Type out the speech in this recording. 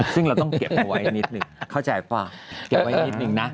ซึ่งเราต้องเก็บเอาไว้นิดหนึ่งเข้าใจเปล่าเก็บไว้นิดนึงนะ